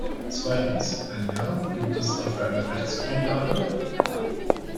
Zweitens, wenn ja, gibt es dafür eine Rechtsgrundlage?